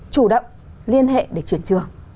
chủ động liên hệ để chuyển trường